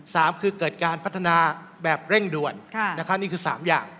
สามคือเกิดการพัฒนาแบบเร่งด่วนค่ะนะครับนี่คือสามอย่าง